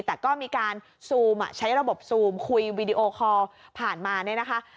แต่ก็มีการซูมใช้ระบบซูมคุยวีดีโอคอลผ่านมาเนี่ยนะคะ